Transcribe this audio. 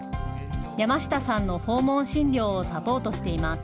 山下さんの訪問診療をサポートしています。